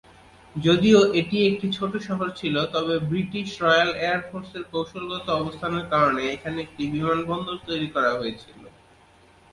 যদিও এটি একটি ছোট শহর ছিল তবে ব্রিটিশ রয়্যাল এয়ার ফোর্সের কৌশলগত অবস্থানের কারণে এখানে একটি বিমানবন্দর তৈরি করা হয়েছিল।